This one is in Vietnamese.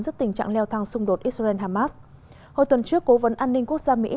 trước tình trạng leo thang xung đột israel hamas hồi tuần trước cố vấn an ninh quốc gia mỹ